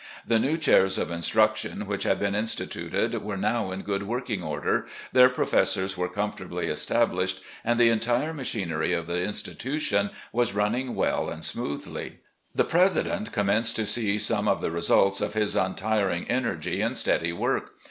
The new chairs of instruction which had been instituted were now in good working order, their professors were comfortably established, and the entire machinery of the institution was nmning well and smoothly. The president commenced to see some of the results of his untiring energy and steady work.